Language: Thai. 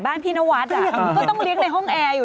บ้าด่าเขาเลย